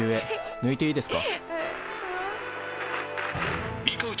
ぬいていいですか？